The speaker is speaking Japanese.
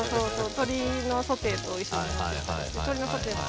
鶏のソテーと一緒に持ってたりして鶏のソテーも。